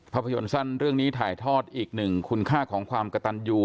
ภาพยนตร์สั้นเรื่องนี้ถ่ายทอดอีกหนึ่งคุณค่าของความกระตันยู